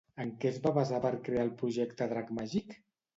En què es va basar per crear el projecte Drac Màgic?